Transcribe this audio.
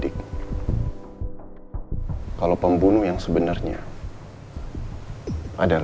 aku mau kamu tenang